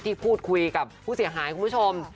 พูดคุยกับผู้เสียหายคุณผู้ชม